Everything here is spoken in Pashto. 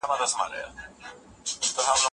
دغه مڼه تر ټولو مڼو سره ده.